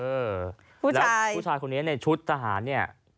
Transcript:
เออแล้วผู้ชายคนนี้ในชุดทหารเนี่ย